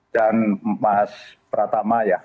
dan mas pratama ya